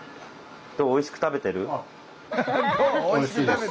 どうおいしく食べてる？